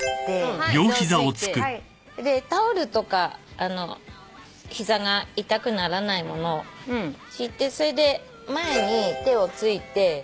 タオルとか膝が痛くならないものを敷いて前に手を突いて。